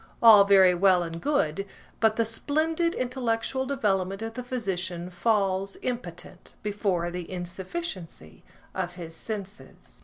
All very well and good, but the splendid intellectual development of the physician falls, impotent, before the insufficiency of his senses.